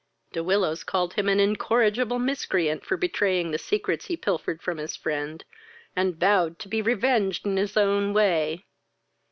De Willows called him an incorrigible miscreant for betraying the secrets he pilfered from his friend, and vowed to be revenged in his own way.